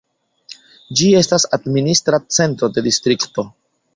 Ĝi estas administra centro de distrikto.